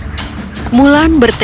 mulan bertekad kuat dan berpikir